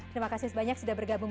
terima kasih banyak sudah bergabung